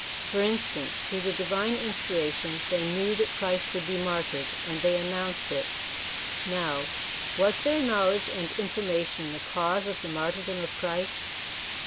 For instance, through the divine inspiration they knew that Christ would be martyred, and they announced it. Now, was their knowledge and information the cause of the martyrdom of Christ